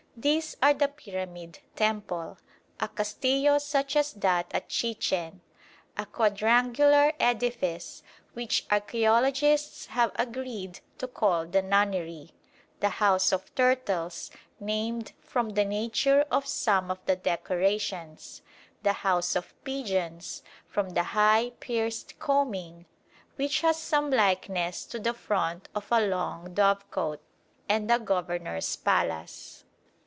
These are the pyramid temple, a castillo such as that at Chichen; a quadrangular edifice which archæologists have agreed to call the Nunnery; the House of Turtles, named from the nature of some of the decorations; the House of Pigeons, from the high, pierced combing which has some likeness to the front of a long dovecote; and the Governor's Palace.